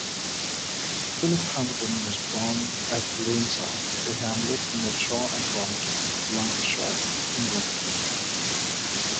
Philip Hamerton was born at Laneside, a hamlet near Shaw and Crompton, Lancashire, England.